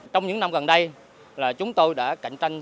trong những năm gần đây là chúng tôi đã cạnh tranh